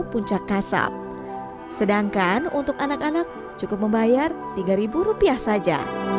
puncak kasab sedangkan untuk anak anak cukup membayar tiga ribu rupiah saja